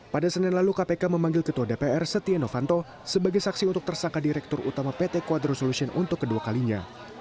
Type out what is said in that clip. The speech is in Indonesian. pada senin lalu kpk memanggil ketua dpr setia novanto sebagai saksi untuk tersangka direktur utama pt quadro solution untuk kedua kalinya